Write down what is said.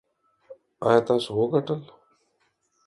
ایا تاسو وګټل؟